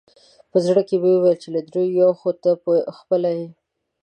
په زړه کې مې وویل چې له درېیو یو خو ته خپله یې.